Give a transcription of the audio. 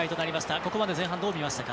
ここまでどう見ましたか？